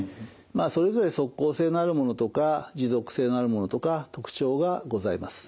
まあそれぞれ即効性のあるものとか持続性のあるものとか特徴がございます。